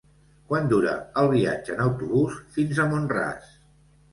Quant dura el viatge en autobús fins a Mont-ras?